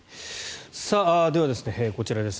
では、こちらですね